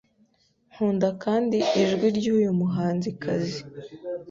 Nkunda kandi ijwi ryuyu muhanzikazi.